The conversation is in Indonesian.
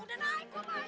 tentang ini dari gue ya